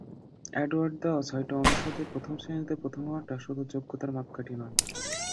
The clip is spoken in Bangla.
অ্যাওয়ার্ড দেওয়া ছয়টি অনুষদে প্রথম শ্রেণিতে প্রথম হওয়াটাও শুধু যোগ্যতার মাপকাঠি নয়।